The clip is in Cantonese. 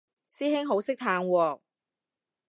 師兄好識嘆喎